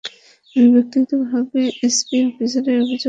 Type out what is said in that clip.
আমি ব্যক্তিগতভাবে এসপি অফিসে অভিযোগ দায়ের করার চেষ্টা করেছি।